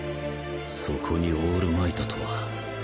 そこにオールマイトとは。